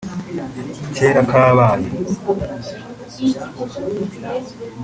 Kera kabaye